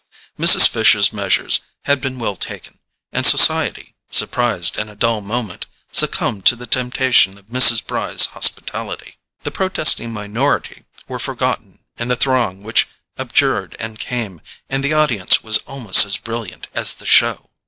Mrs. Fisher's measures had been well taken, and society, surprised in a dull moment, succumbed to the temptation of Mrs. Bry's hospitality. The protesting minority were forgotten in the throng which abjured and came; and the audience was almost as brilliant as the show.